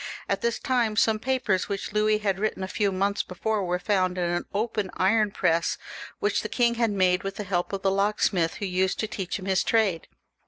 At this time some papers which Louis had written a few months before were found in an old iron press which the king had made with the help of the locksmith who used to teach him his trade.